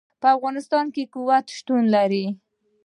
په افغانستان کې یاقوت شتون لري.